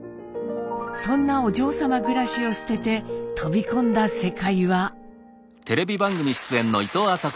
そんなお嬢様暮らしを捨てて飛び込んだ世界は。